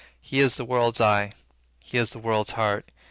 He is the world's eye. He is the world's heart.